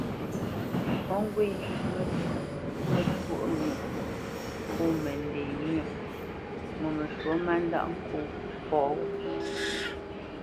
O ŋgwé məntwô myə pô mənde myə́ ŋo məshwɔ̂ má ndá nkɔ́ ghô.